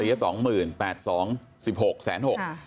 สี่สองหมื่นแปดสองสิบหกแสนหก